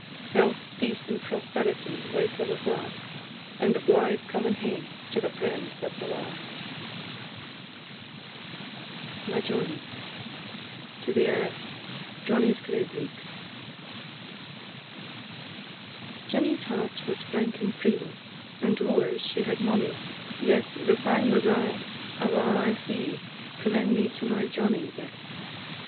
Health, peace, and prosperity wait on us a'; And a blithe comin' hame to the friend that 's awa'! MY JOHNNIE. AIR "Johnnie's Gray Breeks." Jenny's heart was frank and free, And wooers she had mony, yet The sang was aye, "Of a' I see, Commend me to my Johnnie yet.